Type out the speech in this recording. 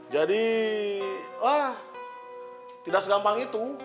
jadi wah tidak segampang itu